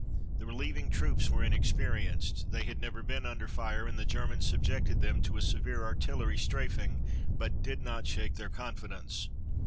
The relieving troops were inexperienced. They had never been under fire, and the Germans subjected them to a severe artillery strafing, but did not shake their confidence.